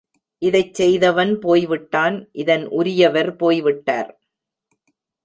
இதைச் செய்தவன் போய்விட்டான் இதன் உரியவர் போய்விட்டார்.